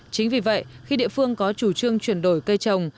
chính vì vậy khi địa phương có chủ trương chuyển đổi cây trồng